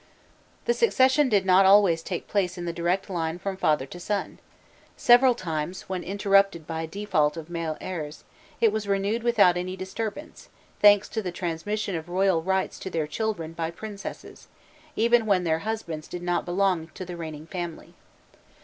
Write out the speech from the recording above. The succession did not always take place in the direct line from father to son: several times, when interrupted by default of male heirs, it was renewed without any disturbance, thanks to the transmission of royal rights to their children by princesses, even when their husbands did not belong to the reigning family.